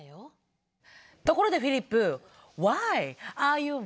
ところでフィリップ！